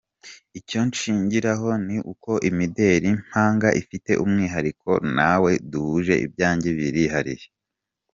Icyo nshingiraho ni uko imideli mpanga ifite umwihariko, ntawe duhuje, ibyanjye birihariye.